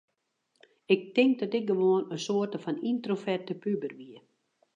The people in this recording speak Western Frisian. Ik tink dat ik gewoan in soarte fan yntroverte puber wie.